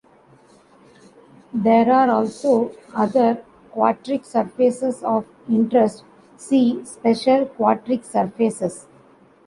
There are also other quartic surfaces of interest - see special quartic surfaces.